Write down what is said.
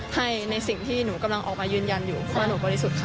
ให้ในสิ่งที่หนูกำลังออกมายืนยันอยู่เพราะว่าหนูบริสุทธิ์ค่ะ